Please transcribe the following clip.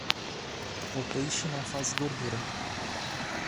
O peixe não faz gordura.